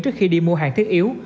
trước khi đi mua hàng thiết yếu